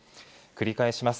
繰り返します。